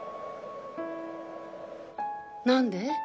何で？